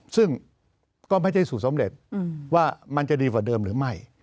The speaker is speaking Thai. ซึ่งก็ไม่ใช่สูตรสำเร็จว่ามันจะดีกว่าเดิมหรือไม่